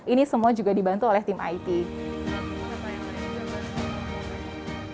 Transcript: ini semua juga dibantu oleh tim it